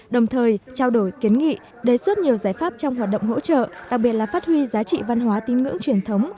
đồng thời trao đổi kiến nghị đề xuất nhiều giải pháp trong hoạt động hỗ trợ đặc biệt là phát huy giá trị văn hóa tín ngưỡng truyền thống